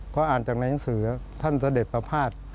ก็อ่านจากในหนังสือท่านเสด็จประพาท